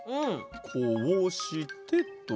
こうしてと。